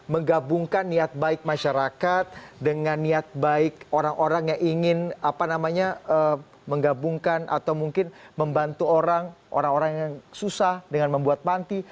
menggabungkan niat baik masyarakat dengan niat baik orang orang yang ingin menggabungkan atau mungkin membantu orang orang yang susah dengan membuat panti